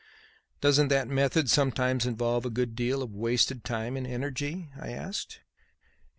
"Doesn't that method sometimes involve a good deal of wasted time and energy?" I asked.